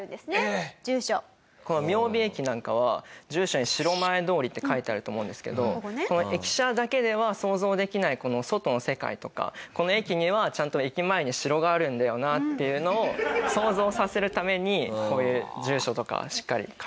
この雅美駅なんかは住所に「城前通り」って書いてあると思うんですけどこの駅舎だけでは想像できない外の世界とかこの駅にはちゃんと駅前に城があるんだよなっていうのを想像させるためにこういう住所とかしっかり書いてました。